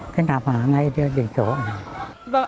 kết nạp ở ngay địa phương